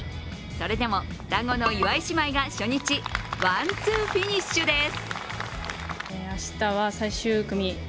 それでも双子の岩井姉妹が初日、ワン・ツーフィニッシュです。